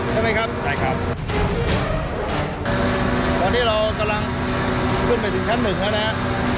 ใช่ไหมครับใช่ครับตอนนี้เรากำลังขึ้นไปถึงชั้นหนึ่งแล้วนะฮะ